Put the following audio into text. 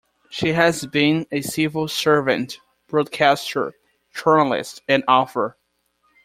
She has been a civil servant, broadcaster, journalist and author.